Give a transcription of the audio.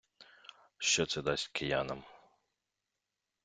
Що це дасть киянам?